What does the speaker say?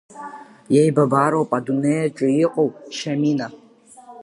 Еибабароуп адунеиаҿы иҟоу, Шьамина.